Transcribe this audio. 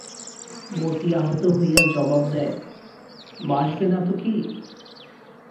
মতি আহত হইয়া জবাব দেয়, বাসবে না তো কী?